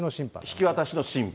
引き渡しの審判。